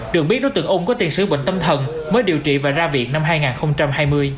được biết đối tượng ung có tiền sứ bệnh tâm thần mới điều trị và ra viện năm hai nghìn hai mươi